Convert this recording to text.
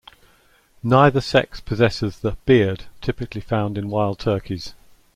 Neither sex possesses the "beard" typically found in wild turkeys.